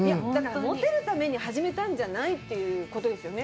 モテるために始めたんじゃないということですよね？